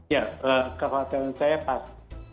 ya kekhawatiran saya pak